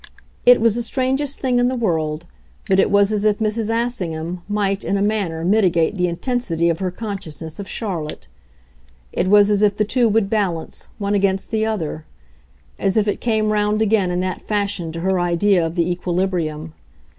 It was the strangest thing in the world, but it was as if Mrs. Assingham might in a manner mitigate the intensity of her consciousness of Charlotte. It was as if the two would balance, one against the other; as if it came round again in that fashion to her idea of the equilibrium.